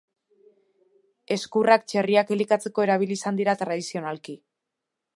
Ezkurrak txerriak elikatzeko erabili izan dira tradizionalki.